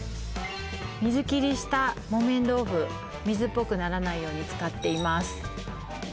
水切りした木綿豆腐水っぽくならないように使っています